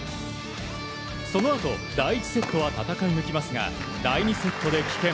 そのあと、第１セットは戦い抜きますが第２セットで棄権。